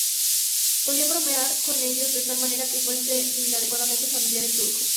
Podían bromear con ellos de tal manera que fuese inadecuadamente familiar en turco.